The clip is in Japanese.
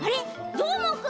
どーもくん。